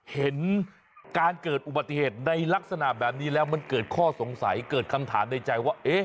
เห็นการเกิดอุบัติเหตุในลักษณะแบบนี้แล้วมันเกิดข้อสงสัยเกิดคำถามในใจว่า